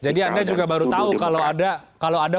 jadi anda juga baru tahu kalau ada